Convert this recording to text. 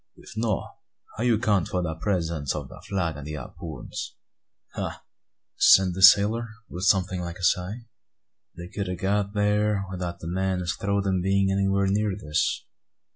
"If no', how you count for de presence ob de flag and de hapoons?" "Ah!" answered the sailor, with something like a sigh; "they kud a' got thear, without the men as throwed 'em bein' anywhere near this.